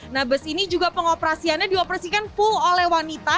nah bus ini juga pengoperasiannya dioperasikan full oleh wanita